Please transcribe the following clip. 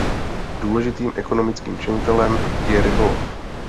Důležitým ekonomickým činitelem je rybolov.